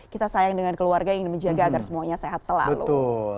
kita sayang dengan keluarga yang ingin menjaga agar semuanya sehat selalu